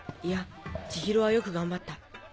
いや千尋はよく頑張った。